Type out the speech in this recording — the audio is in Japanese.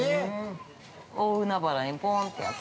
大海原に、ぽーんてやって。